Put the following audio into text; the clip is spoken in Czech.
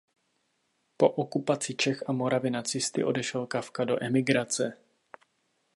Po okupaci Čech a Moravy nacisty odešel Kafka do emigrace.